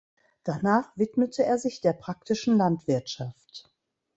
Danach widmete er sich der praktischen Landwirtschaft.